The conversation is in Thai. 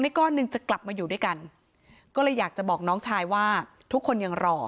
ก้อนหนึ่งจะกลับมาอยู่ด้วยกันก็เลยอยากจะบอกน้องชายว่าทุกคนยังรอ